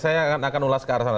saya akan ulas ke arah sana